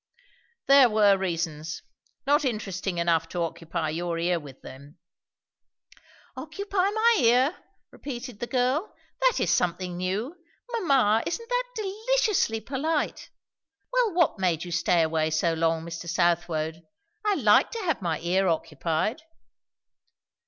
"There were reasons not interesting enough to occupy your ear with them." "'Occupy my ear'!" repeated the girl. "That is something new. Mamma, isn't that deliciously polite! Well, what made you stay away so long, Mr. Southwode? I like to have my ear occupied."